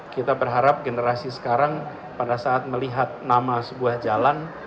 kita berharap generasi sekarang pada saat melihat nama sebuah jalan